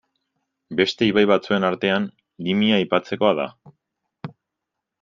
Beste ibai batzuen artean, Limia aipatzekoa da.